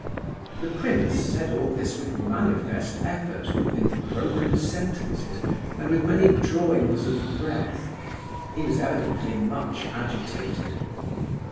The prince said all this with manifest effort—in broken sentences, and with many drawings of breath. He was evidently much agitated.